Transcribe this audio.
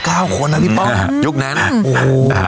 เก้าคนอ่ะที่ป้องอ้ายุคน้ำโอ้ฮะ